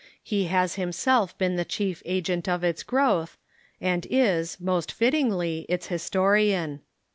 He has himself been the chief agent of its growth, and is, most fittingly, its historian.